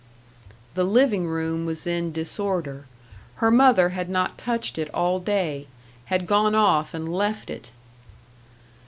The living room was in disorder. Her mother had not touched it all day had gone off and left it.